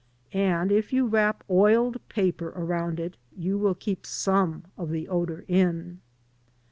And if you wrap oiled paper around it you will keep some of the odor in.